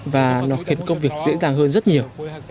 và nó khiến công việc dễ dàng hơn rất nhiều